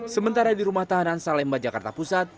sementara di rumah tahanan salemba jakarta pusat